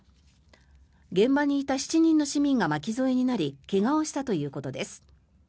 現場にいた７人の市民が巻き添えになり怪我をしたということです。